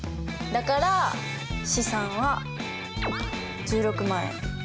だから資産は１６万円減少。